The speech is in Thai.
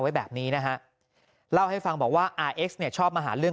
วันนี้ทีมข่าวไทยรัฐทีวีไปสอบถามเพิ่ม